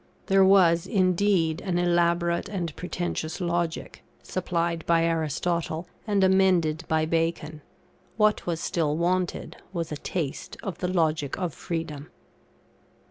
There was, indeed, an elaborate and pretentious Logic, supplied by Aristotle, and amended by Bacon; what was still wanted was a taste of the Logic of Freedom.